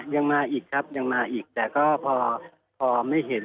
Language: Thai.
ยังมาอีกครับยังมาอีกแต่ก็พอไม่เห็น